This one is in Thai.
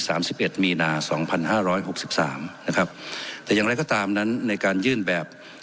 สิบเอ็ดมีนาสองพันห้าร้อยหกสิบสามนะครับแต่อย่างไรก็ตามนั้นในการยื่นแบบ